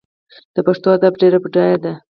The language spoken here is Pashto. د پښتو ادب ډېر بډایه دی.